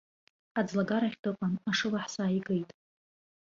Аӡлагарахь дыҟан, ашыла ҳзааигеит.